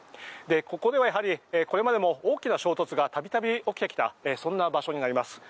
ここではやはりこれまでも大きな衝突が度々起きてきたそんな場所になります。